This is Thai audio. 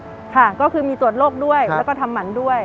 ค่ะก็คือมีตรวจโรคด้วยแล้วก็ทำหมันด้วย